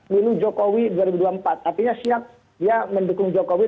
lindung jokowi dua ribu dua puluh empat artinya siap dia mendukung jokowi dua ribu dua puluh empat